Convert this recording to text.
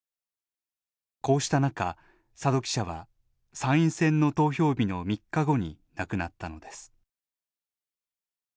こうした中、佐戸記者は参院選の投票日の３日後に亡くなったのです。